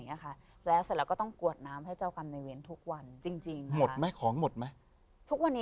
และเสร็จแล้วก็ต้องกรวจน้ำให้เจ้ากรรมในเวรทุกวัน